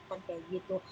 kan kayak gitu